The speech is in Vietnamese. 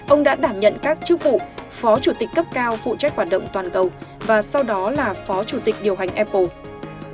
ông đã đảm nhận các chức vụ phó chủ tịch cấp cao phụ trách hoạt động toàn cầu và sau đó là phó chủ tịch điều hành apple